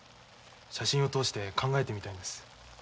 写真を通して考えてみたいんです。